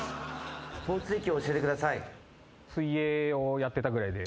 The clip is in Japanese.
水泳をやってたぐらいで。